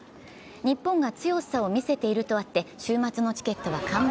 日本が強さを見せているとあって週末のチケットは完売。